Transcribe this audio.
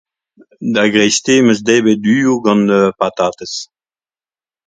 Da greisteiz 'm eus debret uioù gant patatez.